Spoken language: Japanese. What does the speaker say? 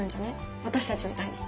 私たちみたいに。